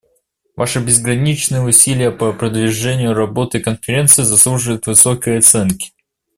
Ваши безграничные усилия по продвижению работы Конференции заслуживают высокой оценки.